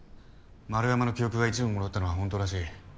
円山の記憶が一部戻ったのは本当らしい。